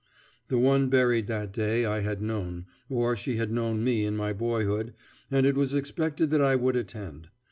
The one buried that day I had known, or she had known me in my boyhood, and it was expected that I would attend.